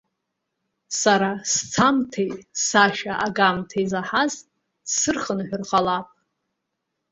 Сара сцамҭеи сашәа агамҭеи заҳаз дсырхынҳәыр ҟалап.